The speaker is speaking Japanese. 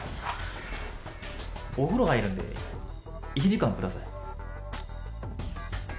お風呂入るんで、１時間ください。